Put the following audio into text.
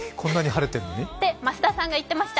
って増田さんが言ってました。